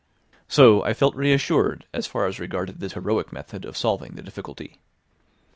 So I felt reassured as far as regarded this heroic method of solving the difficulty.